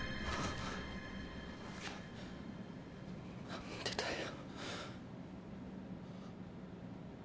何でだよ。